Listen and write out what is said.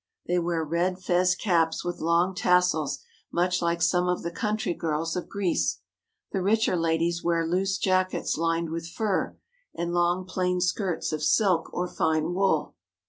They wear red fez caps with long tassels much like some of the country girls of Greece. The richer ladies wear loose jackets lined with fur, and long plain skirts of silk or fine wool.